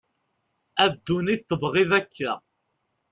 a dunit tebγiḍ akka